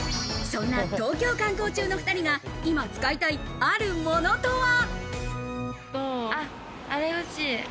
そんな東京観光中の２人が今使いたい、あるものとは？